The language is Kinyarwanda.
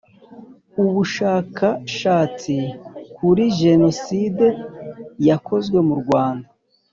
Ubushaka shatsi kuri jeno side yakozwe mu Rwanda